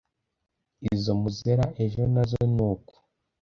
izo muzera ejo na zo ni uko